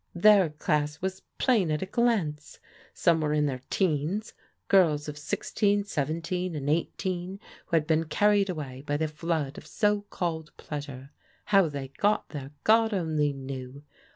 Their class was plain at a glance. Some were in their teens, girls of sixteen, seventeen and eight een, who had been carried away by the flood of so cdlcd pleasure. How they got there, God only knew.